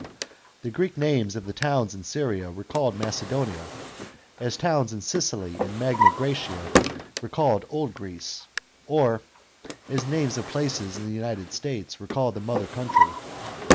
The Greek names of the towns in Syria recalled Mace donia, as towns in Sicily and Magna Grsecia recalled old Greece, or as names of places in the United States recall the mother country.